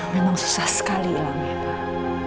memang susah sekali hilangnya pak